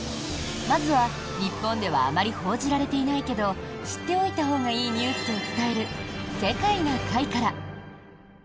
まずは、日本ではあまり報じられていないけど知っておいたほうがいいニュースを伝える「世界な会」から。